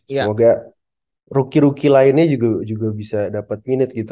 semoga rookie rookie lainnya juga bisa dapet menit gitu